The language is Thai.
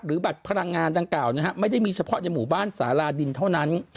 บัตรพลังงานดังกล่าวนะฮะไม่ได้มีเฉพาะในหมู่บ้านสาราดินเท่านั้น